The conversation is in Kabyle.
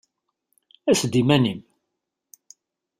Ass-d iman-im!